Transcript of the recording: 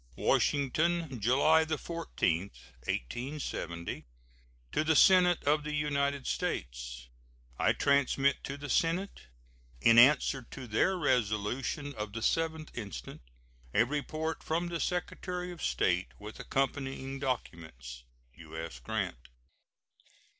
] WASHINGTON, July 14, 1870. To the Senate of the United States: I transmit to the Senate, in answer to their resolution of the 7th instant, a report from the Secretary of State, with accompanying documents. U.S. GRANT.